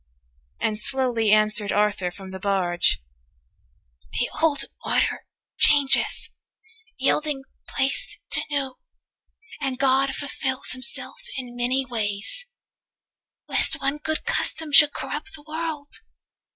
And slowly answered Arthur from the barge: 'The old order changeth, yielding place to new, 240 And God fulfils Himself in many ways, Lest one good custom should corrupt the world.